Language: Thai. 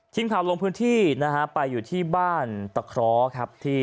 ทีมข่าวลงพื้นที่นะฮะไปอยู่ที่บ้านตะเคราะห์ครับที่